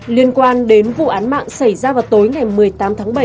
liên quan đến vụ án mạng xảy ra vào tối ngày một mươi tám tháng bảy